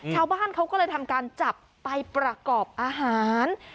ชาวบ้านเขาก็เลยทำการจับไปประกอบอาหาร